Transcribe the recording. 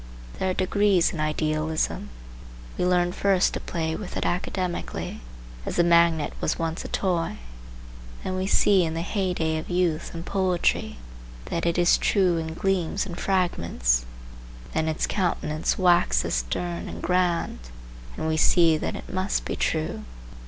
There are degrees in idealism. We learn first to play with it academically, as the magnet was once a toy. Then we see in the heyday of youth and poetry that it may be true, that it is true in gleams and fragments. Then its countenance waxes stern and grand, and we see that it must be true.